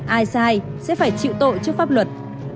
ai sai sẽ phải chịu tội trước pháp luật